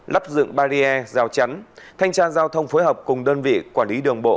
lắp dựng barrier rào chắn thanh tra giao thông phối hợp cùng đơn vị quản lý đường bộ